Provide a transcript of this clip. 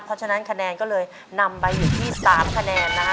เพราะฉะนั้นคะแนนก็เลยนำไปอยู่ที่๓คะแนนนะฮะ